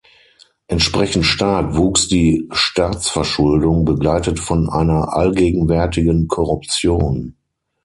Entsprechend stark wuchs die Staatsverschuldung, begleitet von einer allgegenwärtigen Korruption.